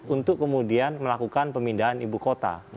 untuk kemudian melakukan pemindahan ibu kota